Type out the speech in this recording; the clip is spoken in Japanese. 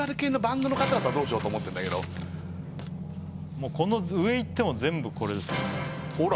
もうこの上いっても全部これですよほら